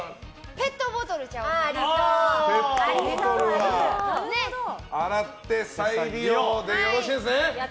ペットボトルは洗って再利用でよろしいですね。